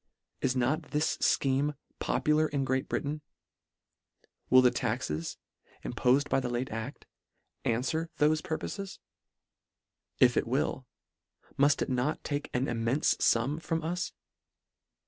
Is not this fcheme popu lar in Great Britain ? Will the taxes, impof ed by the late act, anfwer thofe purpofes ? If it will, mult it not take an immenfe fum from us